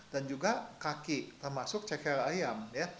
dan juga kaki termasuk cekel ayam